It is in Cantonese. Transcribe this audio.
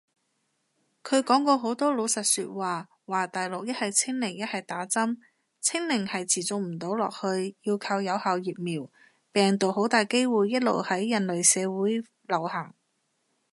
佢講過好多老實說話，話大陸一係清零一係打針，清零係持續唔到落去，要靠有效疫苗，病毒好大機會一路喺人類社會流行